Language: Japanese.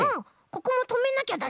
ここもとめなきゃだね。